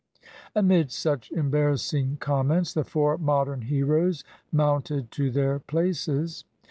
Amid such embarrassing comments, the four Modern heroes mounted to their places.